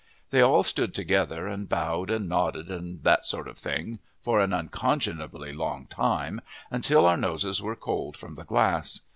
They all stood together, and bowed and nodded and that sort of thing for an unconscionably long time, until our noses were cold from the glass.